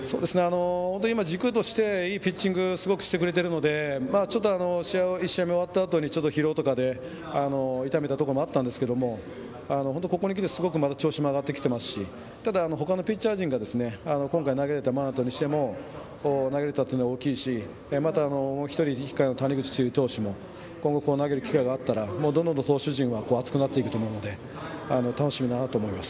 本当に軸としていいピッチングすごくしてくれているのでちょっと、１試合目終わったあと疲労とかで痛めたところもあったんですがここにきて調子も上がってきてただ、他のピッチャー陣が今回、投げれた真人にしても投げれたというのは大きいですしまた、谷口投手も今後投げる機会があったらどんどん投手陣は厚くなっていくと思うので楽しみだなと思います。